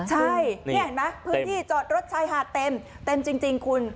ใช่นี่เห็นไหมพื้นที่จอดรถชายหาดเต็มเต็มจริงคุณ